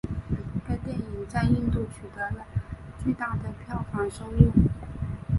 该电影在印度取得巨大的票房收入。